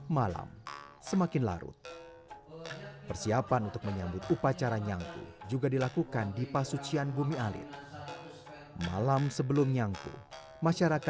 masa ketika menyelidiki orang orang ansawah